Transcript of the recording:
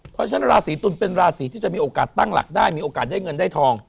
เพราะฉะนั้นราศีตุลเป็นราศีที่จะมีโอกาสตั้งหลักได้มีโอกาสได้เงินได้ทอง